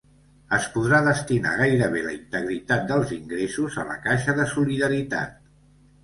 Es podrà destinar gairebé la integritat dels ingressos a la caixa de solidaritat.